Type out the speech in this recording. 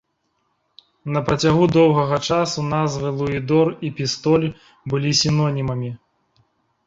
На працягу доўгага часу назвы луідор і пістоль былі сінонімамі.